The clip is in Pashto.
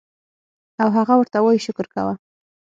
او هغه ورته وائي شکر کوه